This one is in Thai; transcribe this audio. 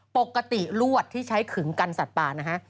ปกติลวดที่ใช้ขึงกันสัตว์ป่านะฮะ